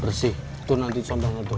bersih itu nanti contohnya itu ya